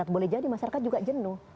boleh jadi masyarakat juga jenuh